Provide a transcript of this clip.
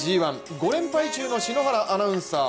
５連敗中の篠原アナウンサー。